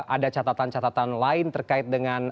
ada catatan catatan lain terkait dengan